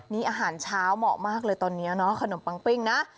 นี่อาหารเช้าเหมาะมากเลยตอนนี้เนาะขนมปังปิ้งนะ